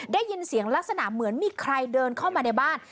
ได้ยินเสียงลักษณะเหมือนมีใครเดินเข้ามาในบ้าน